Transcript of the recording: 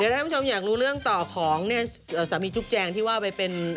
ถ้าท่านผู้ชมอยากรู้เรื่องต่อของเนี่ยสามีจุ๊กแจงที่ว่าไปเป็น